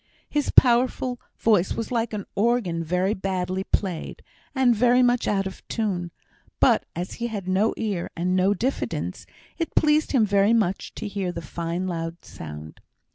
His powerful voice was like an organ very badly played, and very much out of tune; but as he had no ear, and no diffidence, it pleased him very much to hear the fine loud sound.